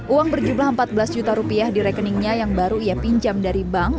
uang berjumlah empat belas juta rupiah di rekeningnya yang baru ia pinjam dari bank